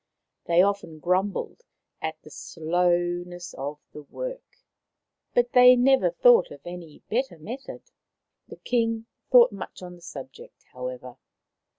They often grumbled at the slow 101 io2 Maoriland Fairy Tales ness of the work, but they never thought of any better method. The King thought much on the subject, how ever.